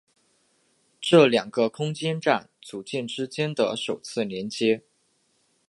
这是两个空间站组件之间的首次连接。